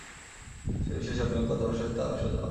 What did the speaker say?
বিশ্বে সবমিলিয়ে কত ভাষা আছে, তা অজানা।